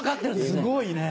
すごいね。